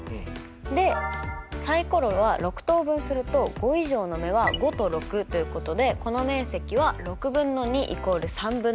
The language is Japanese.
でサイコロは６等分すると５以上の目は５と６ということでこの面積は６分の２イコール３分の１ということですよね。